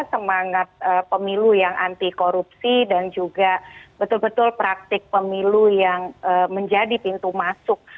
semangat pemilu yang anti korupsi dan juga betul betul praktik pemilu yang menjadi pintu masuk